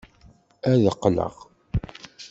Ad qqleɣ.